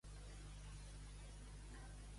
El torró dur d'Alacant és un vici.